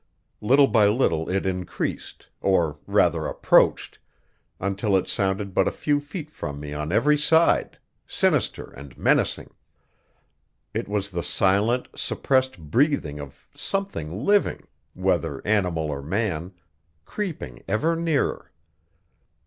Little by little it increased, or rather approached, until it sounded but a few feet from me on every side, sinister and menacing. It was the silent, suppressed breathing of something living whether animal or man creeping ever nearer.